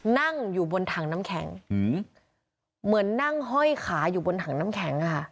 นั่งอยู่บนถังน้ำแข็งเหมือนนั่งห้อยขาอยู่บนถังน้ำแข็งค่ะ